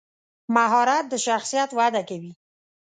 مهارت د شخصیت وده کوي.